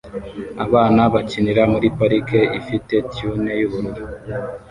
Abana bakinira muri parike ifite tunel yubururu